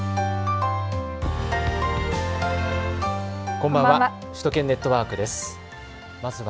こんばんは。